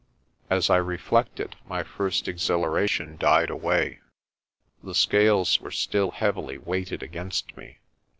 As I reflected, my first exhilaration died away. The scales were still heavily weighted against me.